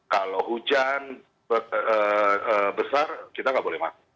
kalau hujan besar kita nggak boleh masuk